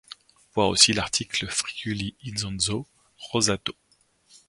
Voir aussi l'article Friuli Isonzo rosato.